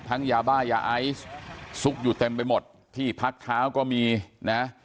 ยาบ้ายาไอซ์ซุกอยู่เต็มไปหมดที่พักเท้าก็มีนะ